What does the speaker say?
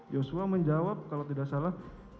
yosua menjawab kalau tidak salah